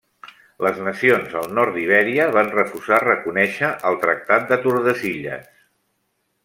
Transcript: Les nacions al nord d'Ibèria, van refusar reconèixer el Tractat de Tordesillas.